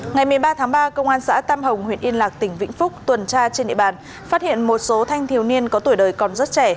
ngày một mươi ba tháng ba công an xã tam hồng huyện yên lạc tỉnh vĩnh phúc tuần tra trên địa bàn phát hiện một số thanh thiếu niên có tuổi đời còn rất trẻ